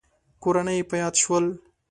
کورنۍ يې په ياد شول.